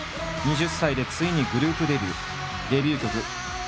２０歳でついにグループデビュー。